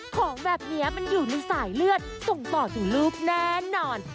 ของแบบนี้มันอยู่ในสายเลือดส่งต่อถึงลูกแน่นอน